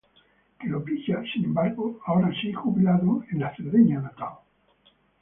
Que lo pilla, sin embargo, ahora sí jubilado, en la Cerdeña natal.